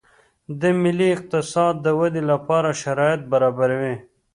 د ملي اقتصاد د ودې لپاره شرایط برابروي